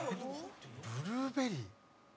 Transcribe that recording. ブルーベリー？